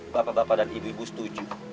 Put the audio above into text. bapak bapak dan ibu ibu setuju